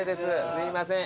すいません